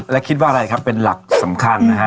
และคิดว่าอะไรครับเป็นหลักสำคัญนะฮะ